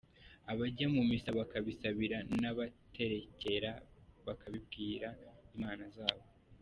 Abajya mu misa bakabisabira, n’abaterekera bakabibwira imana zabo.